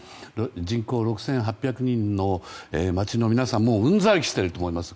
人口６８００人の町の皆さんはもううんざりしていると思います。